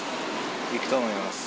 行くと思います。